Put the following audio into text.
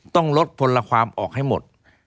ต้องลดพลความออกให้หมด